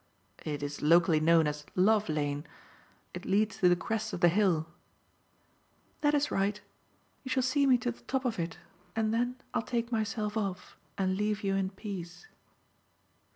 It is locally known as Love Lane: it leads to the crest of the hill." "That is right. You shall see me to the top of it and then I'll take myself off and leave you in peace."